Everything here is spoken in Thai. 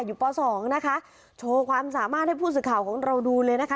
ป๒นะคะโชว์ความสามารถให้ผู้สื่อข่าวของเราดูเลยนะคะ